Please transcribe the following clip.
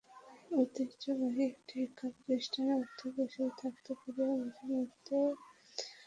ঐতিহ্যবাহী একটা শিক্ষাপ্রতিষ্ঠানের অধ্যক্ষ হিসেবে থাকতে পেরে মাঝেমধ্যে সত্যিই গর্ব হয়।